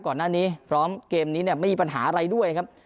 ก่อนหน้านี้พร้อมเกมนี้เนี่ยไม่มีปัญหาอะไรด้วยครับ